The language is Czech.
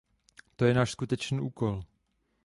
To je náš skutečný úkol.